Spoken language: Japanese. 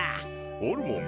ホルモン？